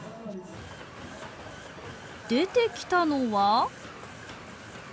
出てきたのは。